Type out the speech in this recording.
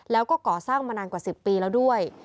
แล้วก็ก่อสร้างมานานกว่า๑๐ปีแล้วด้วย